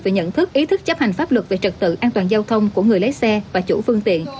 về nhận thức ý thức chấp hành pháp luật về trật tự an toàn giao thông của người lấy xe và chủ phương tiện